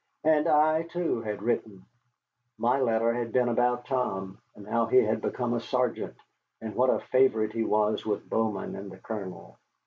And I, too, had written. My letter had been about Tom, and how he had become a sergeant, and what a favorite he was with Bowman and the Colonel.